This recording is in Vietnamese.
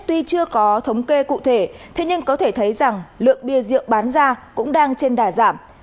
tuy chưa có thống kê cụ thể thế nhưng có thể thấy rằng lượng bia rượu bán ra cũng đang trên đà giảm